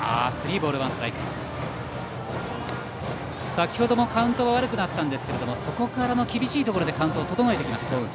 先程もカウントは悪くなったんですけどそこからの厳しいところでカウントを整えてきました。